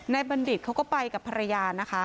บัณฑิตเขาก็ไปกับภรรยานะคะ